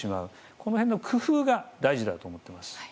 この辺の工夫が大事だと思っています。